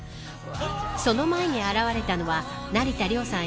その前に現れたのは成田凌さん